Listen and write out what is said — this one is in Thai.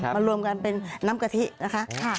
รวมกันเป็นน้ำกะทินะคะ